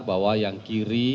bahwa yang kiri